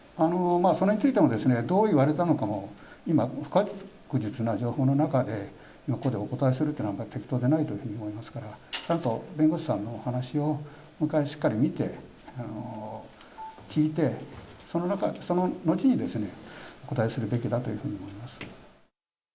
それについては、どう言われたのかも、今、不確実な情報の中で、ここでお答えするというのは適当ではないと思いますから、ちゃんと弁護士さんの話をもう一回しっかり見て、聞いて、その後にですね、お答えするべきだというふうに思います。